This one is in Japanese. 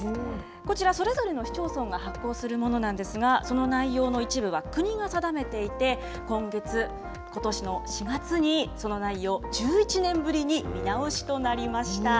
こちら、それぞれの市町村が発行するものなんですが、その内容の一部は国が定めていて、今月、ことしの４月にその内容、１１年ぶりに見直しとなりました。